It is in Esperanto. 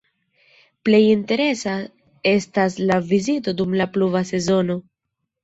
Plej interesa estas la vizito dum la pluva sezono.